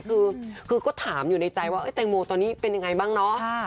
คือก็ถามอยู่ในใจว่าแตงโมตอนนี้เป็นยังไงบ้างเนาะ